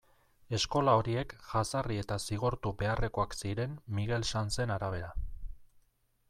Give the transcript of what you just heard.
Eskola horiek jazarri eta zigortu beharrekoak ziren Miguel Sanzen arabera.